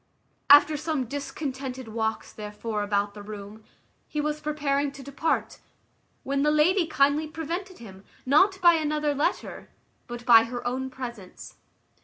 After some discontented walks therefore about the room, he was preparing to depart, when the lady kindly prevented him, not by another letter, but by her own presence.